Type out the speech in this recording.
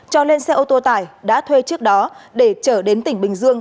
cho lên xe ô tô tải đã thuê trước đó để trở đến tỉnh bình dương